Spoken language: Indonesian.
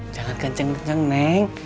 jangan kenceng kenceng neng